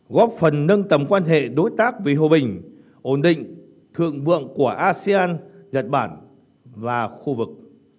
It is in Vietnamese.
góp phần nâng tầm quan hệ đối tác vì hòa bình ổn định thượng vượng của asean nhật bản và khu vực